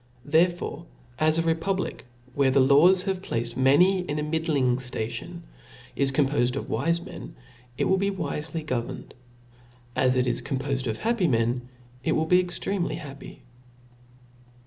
Therefore, as a republic, where the laws have placed many in a middling, ftation, is compofed of wife men, it will be wifely go verned ; as it is compo&d of happy men, it wiU be extremely happy.